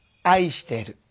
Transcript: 愛してる。